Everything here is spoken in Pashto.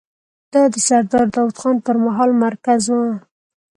دا د سردار داوود خان پر مهال مرکز و.